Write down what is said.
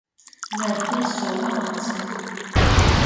Vērtīs sovom acim.